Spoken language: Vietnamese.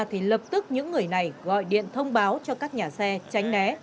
thì lập tức những người này gọi điện thông báo cho các nhà xe tránh né